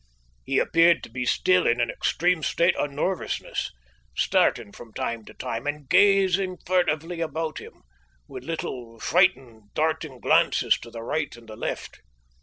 He appeared to be still in an extreme state of nervousness, starting from time to time, and gazing furtively about him, with little frightened, darting glances to the right and the left.